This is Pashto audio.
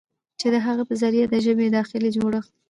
چې د هغه په ذريعه د ژبې داخلي جوړښت